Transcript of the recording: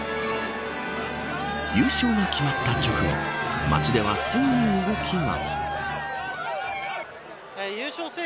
優勝が決まった直後街ではすぐに動きが。